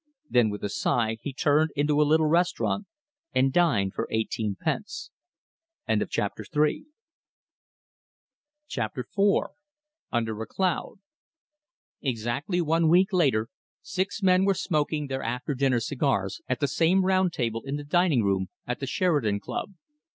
Then with a sigh he turned into a little restaurant and dined for eighteen pence. CHAPTER IV UNDER A CLOUD Exactly one week later, six men were smoking their after dinner cigars at the same round table in the dining room at the Sheridan Club.